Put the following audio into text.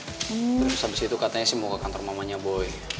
terus habis itu katanya sih mau ke kantor mamanya boy